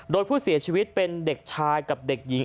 โดยผู้เสียชีวิตเป็นเด็กชายกับเด็กหญิง